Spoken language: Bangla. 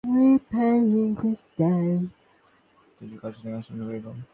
অবিনাশ তখন অনন্যগতি হইয়া খবরের কাগজের আশ্রয় গ্রহণ করিল।